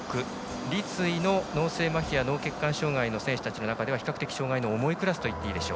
立位の脳性まひや脳血管障がいのクラスの中では比較的、障がいの重いクラスといっていいでしょう。